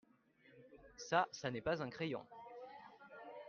Ça ce n'est pas un crayon.